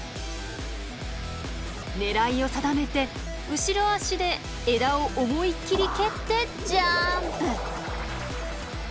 狙いを定めて後ろ足で枝を思い切り蹴ってジャンプ！